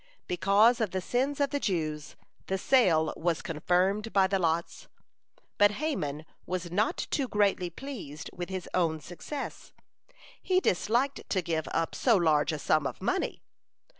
Because of the sins of the Jews, the sale was confirmed by the lots. But Haman was not too greatly pleased with his own success. He disliked to give up so large a sum of money.